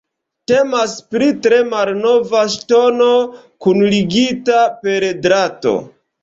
Temas pri tre malnova ŝtono kunligita per drato.